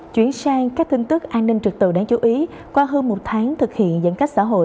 chuyển sang các tin tức an ninh trực tự đáng chú ý qua hơn một tháng thực hiện giãn cách xã hội